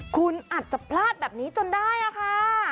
คุณอาจจะพลาดแบบนี้จนได้ค่ะ